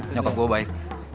nyokap gue baik